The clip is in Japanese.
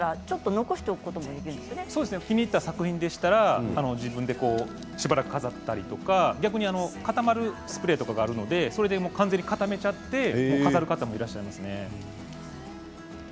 残しておくこともできる気に入った作品でしたら自分でしばらく飾ったり逆に固まるスプレーとかあるので完全に固めて飾る方もいらっしゃいますね。